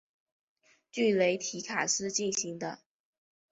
据雷提卡斯进行的。